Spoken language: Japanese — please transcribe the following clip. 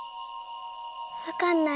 わかんない。